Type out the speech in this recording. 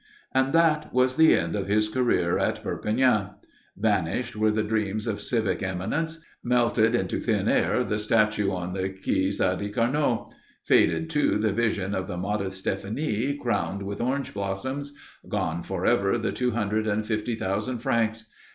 And that was the end of his career at Perpignan. Vanished were the dreams of civic eminence; melted into thin air the statue on the Quai Sadi Carnot; faded, too, the vision of the modest Stéphanie crowned with orange blossom; gone forever the two hundred and fifty thousand francs.